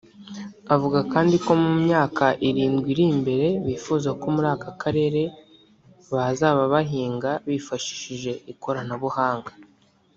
Avuga kandi ko mu myaka irindwi iri imbere bifuza ko muri aka karere bazaba bahinga bifashishije ikoranabuhanga